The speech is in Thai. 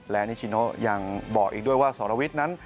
และนิชิโนยังบอกอีกด้วยว่าสรวิทย์นั้น